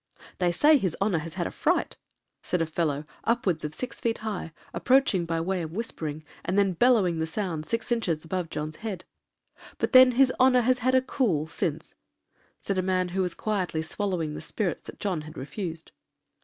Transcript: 'They say his honour has had a fright,' said a fellow, upwards of six feet high, approaching by way of whispering, and then bellowing the sound six inches above John's head. 'But then his honor has had a cool since,' said a man who was quietly swallowing the spirits that John had refused.